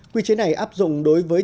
quy chế này áp dụng đối với